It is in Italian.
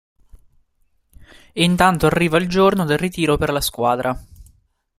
Intanto, arriva il giorno del ritiro per la squadra.